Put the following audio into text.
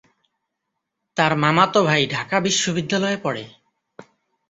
তার মামাতো ভাই ঢাকা বিশ্ববিদ্যালয়ে পড়ে।